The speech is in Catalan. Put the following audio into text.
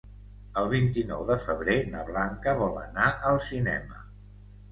El vint-i-nou de febrer na Blanca vol anar al cinema.